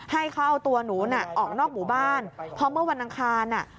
ให้เขาเอาตัวหนูน่ะออกนอกหมู่บ้านเพราะเมื่อวันอังคารอ่ะ